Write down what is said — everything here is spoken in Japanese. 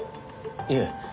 いえ。